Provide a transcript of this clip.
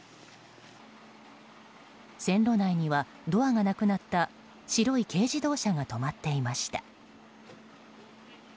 線路内には、ドアがなくなった白い軽自動車が止まっていました。